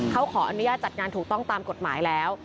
เขาขออนุญาตจัดงานถูกต้องตามกฎหมายแล้ว